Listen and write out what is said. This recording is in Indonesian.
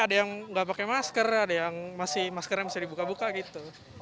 ada yang nggak pakai masker ada yang masih maskernya bisa dibuka buka gitu